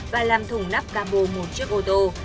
và làm thủng nắp ca bồ một chiếc ô tô